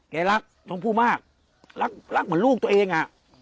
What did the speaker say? แกรักท่องผู้มากรักเหมือนลูกตัวเอง